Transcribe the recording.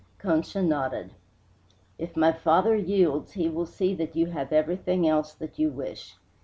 Concha nodded. "If my father yields he will see that you have everything else that you wish.